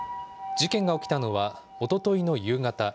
事件が起きたのはおとといの夕方。